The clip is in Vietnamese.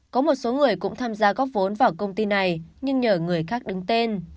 có một số người cũng tham gia góp vốn vào công ty này nhưng nhờ người khác đứng tên